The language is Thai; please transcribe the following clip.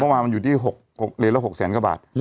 ว่ามันอยู่ที่หลายแล้ว๖๐๐แซมกว่าบาท